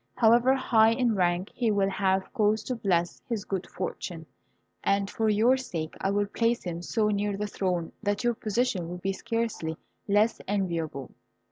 However high in rank, he will have cause to bless his good fortune, and for your sake I will place him so near the throne that your position will be scarcely less enviable."